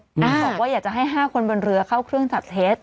บอกว่าอยากจะให้๕คนบนเรือเข้าเครื่องจับเท็จ